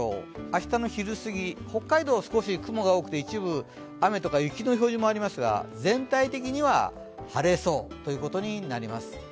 明日の昼過ぎ、北海道は少し雲が多くて一部雨とか雪の表示もありましたが全体的には晴れそうということになります。